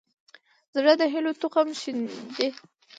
زړه د هيلو تخم شیندي.